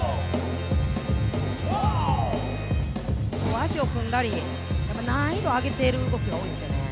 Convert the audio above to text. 足を組んだり難易度上げてる動きが多いですよね。